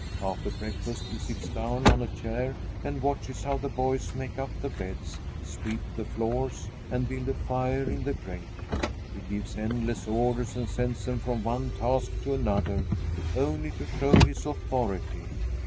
After breakfast he sits down on a chair and watches how the boys make up the beds, sweep the floors, and build a fire in the grate. He gives endless orders and sends them from one task to another, only to show his authority.